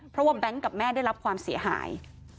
เพราะว่าแบงค์กับแม่ได้รับความเสียหาย